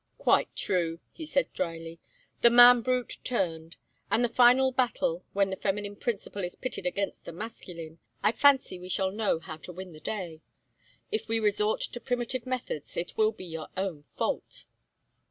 "Quite true," he said, dryly, "The man brute turned. And in the final battle, when the feminine principle is pitted against the masculine, I fancy we shall know how to win the day. If we resort to primitive methods it will be your own fault."